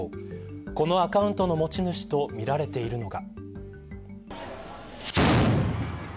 このアカウントの持ち主とみられているのが。